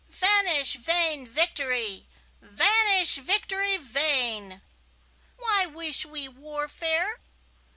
Vanish vain victory! vanish, victory vain! Why wish we warfare?